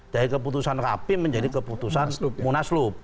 dari keputusan rapim menjadi keputusan munaslup